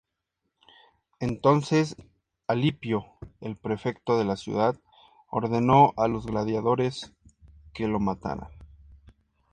Entonces Alipio, el prefecto de la ciudad, ordenó a los gladiadores que lo mataran.